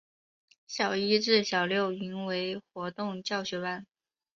小一至小六均为活动教学班。